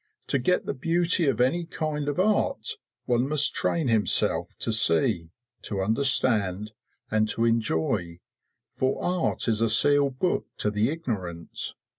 To get the beauty of any kind of art one must train himself to see, to understand, and to enjoy; for art is a sealed book to the ignorant.